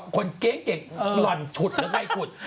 คนเก่งเก่งหลั่นถุดหรือไม่ถุด